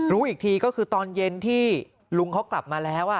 รู้อีกทีก็คือตอนเย็นที่ลุงเขากลับมาแล้ว